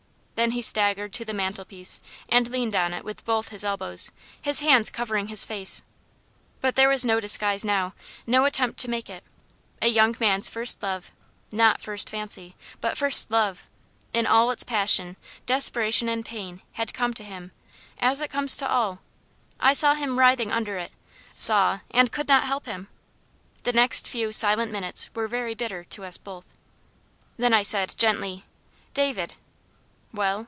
Then he staggered to the mantelpiece, and leaned on it with both his elbows, his hands covering his face. But there was no disguise now no attempt to make it. A young man's first love not first fancy, but first love in all its passion, desperation, and pain had come to him, as it comes to all. I saw him writhing under it saw, and could not help him. The next few silent minutes were very bitter to us both. Then I said gently, "David!" "Well?"